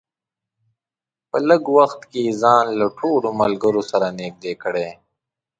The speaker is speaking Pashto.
په لږ وخت کې یې ځان له ټولو ملګرو سره نږدې کړی.